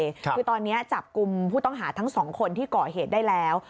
คือตอนนี้จับกลุ่มผู้ต้องหาทั้งสองคนที่ก่อเหตุได้แล้ว